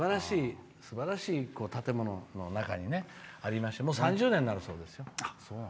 すばらしい建物の中にありましてもう３０年になるそうですよ。